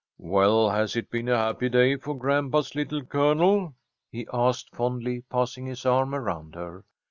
"Well, has it been a happy day for grandpa's little Colonel?" he asked, fondly, passing his arm around her.